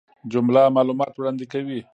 جمله معلومات وړاندي کوي.